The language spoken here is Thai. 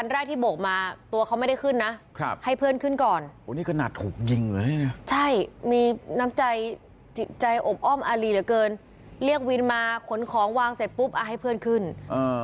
เรียกวินมาขนของวางเสร็จปุ๊บอ่าให้เพื่อนขึ้นเออ